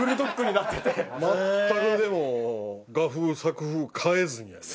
全くでも画風作風変えずにやね。